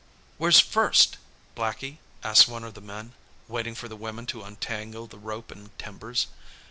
"Where first, Blackie?" asked one of the men, waiting for the women to untangle the rope and timbers.